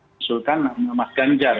misalkan mas ganjar